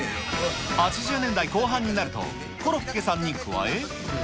８０年代後半になると、コロッケさんに加え。